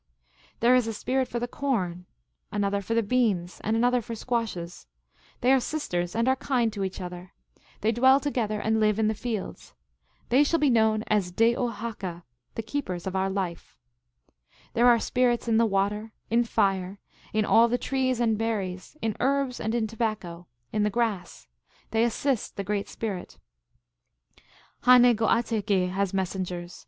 " There is a spirit for the corn, another for beans, another for squashes. They are sisters, and are very kind to each other. They dwell together, and live in the fields. They shall be known as De o ha ka, the keepers of our life. " There are spirits in the water, in fire, in all the trees and berries, in herbs and in tobacco, in the grass. They assist the Great Spirit. " Always return thanks to ffo noh che noh Jceh, the Guardian Spirits. " Ha ne go ate geh has messengers.